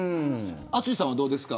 淳さんはどうですか。